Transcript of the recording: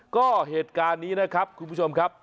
ก็เหตุการณ์นี้นะครับคุณผู้ชมครับ